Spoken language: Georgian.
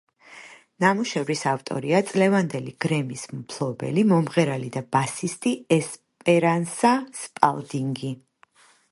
ნამუშევრის ავტორია, წლევანდელი გრემის მფლობელი, მომღერალი და ბასისტი ესპერანსა სპალდინგი.